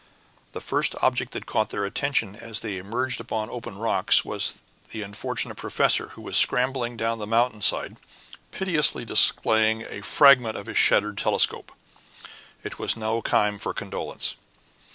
The first object that caught their attention as they emerged upon the open rocks was the unfortunate professor, who was scrambling down the mountain side, piteously displaying a fragment of his shattered telescope. It was no time for condolence.